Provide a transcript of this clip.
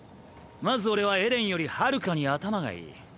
まず俺はエレンよりはるかに頭がいい。